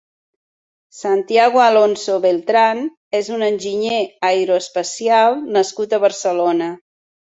Santiago Alonso Beltrán és un enginyer aeroespacial nascut a Barcelona.